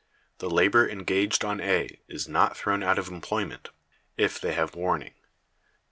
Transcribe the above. The labor engaged on A is not thrown out of employment (if they have warning).